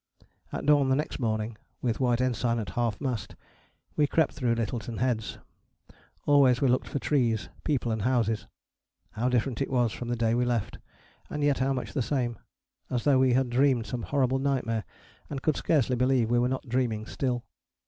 At dawn the next morning, with white ensign at half mast, we crept through Lyttelton Heads. Always we looked for trees, people and houses. How different it was from the day we left and yet how much the same: as though we had dreamed some horrible nightmare and could scarcely believe we were not dreaming still.